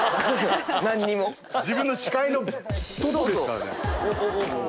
自分の視界の外ですからね。